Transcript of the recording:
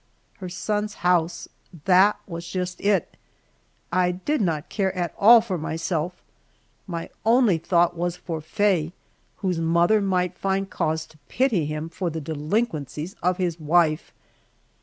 Her son's house that was just it. I did not care at all for myself, my only thought was for Faye whose mother might find cause to pity him for the delinquencies of his wife!